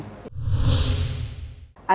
anemia dan thalassemia